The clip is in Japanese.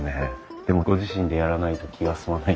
でもご自身でやらないと気が済まない。